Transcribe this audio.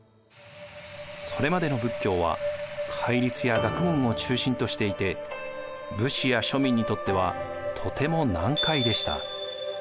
それまでの仏教は戒律や学問を中心としていて武士や庶民にとってはとても難解でした。